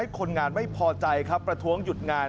คนงานไม่พอใจครับประท้วงหยุดงาน